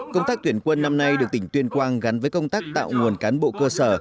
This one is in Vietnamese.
công tác tuyển quân năm nay được tỉnh tuyên quang gắn với công tác tạo nguồn cán bộ cơ sở